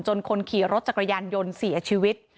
คนขี่รถจักรยานยนต์เสียชีวิต